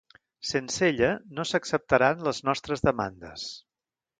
Sense ella, no s'acceptaran les nostres demandes.